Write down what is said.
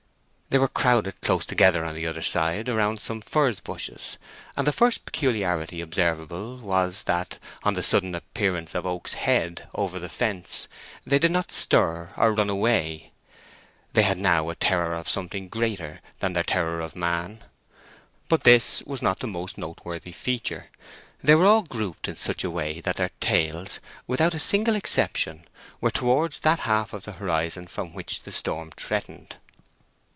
They were crowded close together on the other side around some furze bushes, and the first peculiarity observable was that, on the sudden appearance of Oak's head over the fence, they did not stir or run away. They had now a terror of something greater than their terror of man. But this was not the most noteworthy feature: they were all grouped in such a way that their tails, without a single exception, were towards that half of the horizon from which the storm threatened.